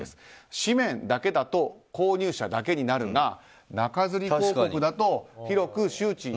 誌面だけだと購入者だけになるが中づり広告だと広く周知。